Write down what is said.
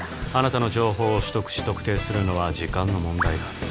「貴方の情報を取得し特定するのは時間の問題だ」